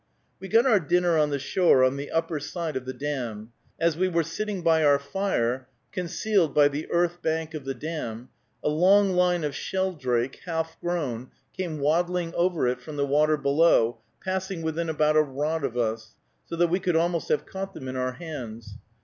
We got our dinner on the shore, on the upper side of the dam. As we were sitting by our fire, concealed by the earth bank of the dam, a long line of sheldrake, half grown, came waddling over it from the water below, passing within about a rod of us, so that we could almost have caught them in our hands.